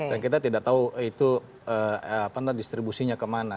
dan kita tidak tahu itu distribusinya kemana